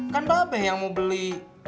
kan bapak b yang mau beli